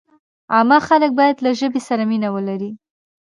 عامه خلک باید له ژبې سره مینه ولري.